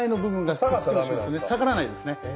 下がらないですね。